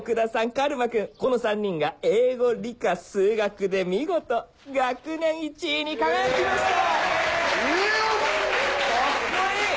カルマ君この３人が英語理科数学で見事学年１位に輝きました！